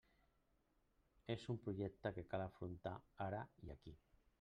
És un projecte que cal afrontar ara i aquí.